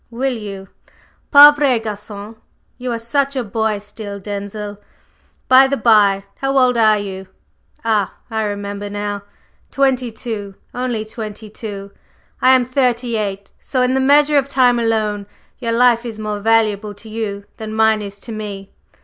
"Will you? Pauvre garçon! You are such a boy still, Denzil, by the bye, how old are you? Ah, I remember now, twenty two. Only twenty two, and I am thirty eight! So in the measure of time alone, your life is more valuable to you than mine is to me.